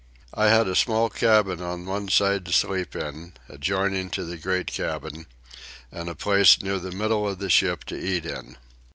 I had a small cabin on one side to sleep in, adjoining to the great cabin, and a place near the middle of the ship to eat in.